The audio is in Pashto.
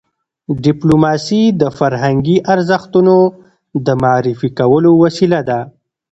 ډيپلوماسي د فرهنګي ارزښتونو د معرفي کولو وسیله ده.